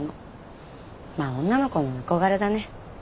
まあ女の子の憧れだね。